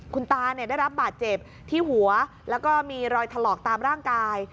คุณตาได้รับบาดเจ็บที่หัวแล้วก็มีรอยถลอกตามร่างกาย